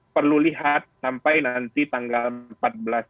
perlu lihat sampai nanti tanggal